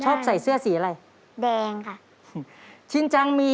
ชอบใส่เสื้อสีอะไรแดงค่ะนาย